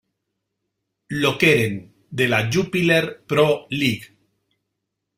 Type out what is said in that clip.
Lokeren de la Jupiler Pro League.